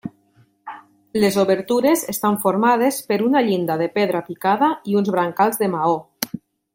Les obertures estan formades per una llinda de pedra picada i uns brancals de maó.